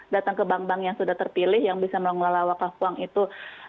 datang ke bank bank yang sudah terpilih yang bisa mengelola wakaf uang itu